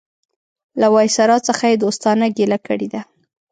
له وایسرا څخه یې دوستانه ګیله کړې ده.